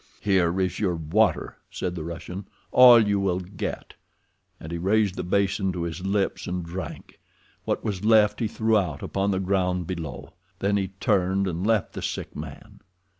"Here is your water," said the Russian. "All you will get," and he raised the basin to his lips and drank; what was left he threw out upon the ground below. Then he turned and left the sick man.